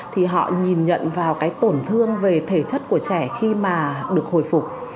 thì họ nhìn nhận vào cái tổn thương về thể chất của trẻ khi mà được hồi phục